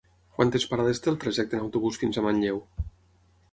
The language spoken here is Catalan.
Quantes parades té el trajecte en autobús fins a Manlleu?